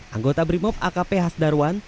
anggota brimov akp hasdarwan